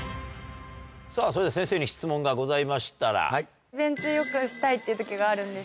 さぁそれでは先生に質問がございましたら。